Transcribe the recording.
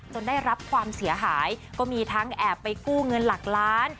ได้รับความเสียหายก็มีทั้งแอบไปกู้เงินหลักล้าน